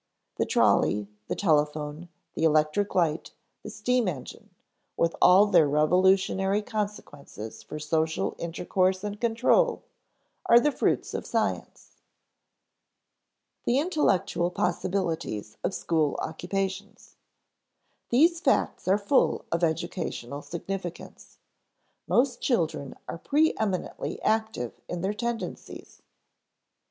The trolley, the telephone, the electric light, the steam engine, with all their revolutionary consequences for social intercourse and control, are the fruits of science. [Sidenote: The intellectual possibilities of school occupations] These facts are full of educational significance. Most children are preëminently active in their tendencies.